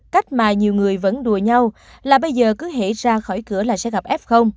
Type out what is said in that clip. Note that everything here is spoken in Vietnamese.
cách mà nhiều người vẫn đùa nhau là bây giờ cứ hể ra khỏi cửa là sẽ gặp f